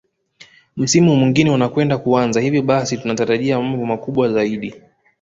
Msimu mwingine unakwenda kuanza hivyo basi tunatarajia mambo makubwa zaidi